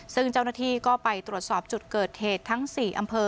ซึ่งเจ้าหน้าที่ก็ไปตรวจสอบจุดเกิดเหตุทั้ง๔อำเภอ